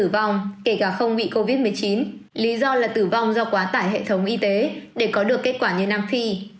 tử vong kể cả không bị covid một mươi chín lý do là tử vong do quá tải hệ thống y tế để có được kết quả như nam phi